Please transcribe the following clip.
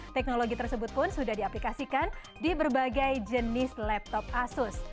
teknologi tersebut pun sudah diaplikasikan di berbagai jenis laptop asus